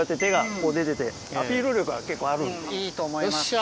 いいと思います。